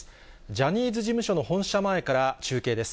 ジャニーズ事務所の本社前から中継です。